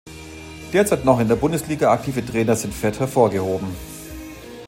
Derzeit noch in der Bundesliga aktive Trainer sind fett hervorgehoben.